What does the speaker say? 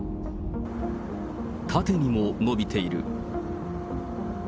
縦にも伸びている。